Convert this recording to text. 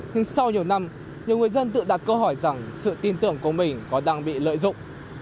nhưng sau nhiều năm nhiều người dân tự đặt câu hỏi rằng sự tin tưởng của mình còn đang bị lợi dụng